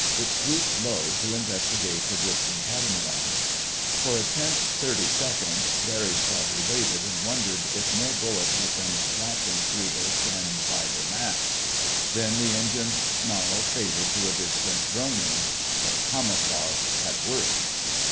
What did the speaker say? It swooped low to investigate the drifting catamaran. For a tense thirty seconds Barry's party waited, and wondered if more bullets would come slashing through their thin fiber mats. Then the engines' snarl faded to a distant droning. Their camouflage had worked!